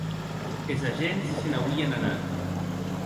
Es agents se n’auien anat.